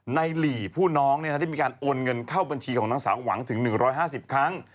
หลีผู้น้องได้มีการโอนเงินเข้าบัญชีของนางสาวหวังถึง๑๕๐ครั้ง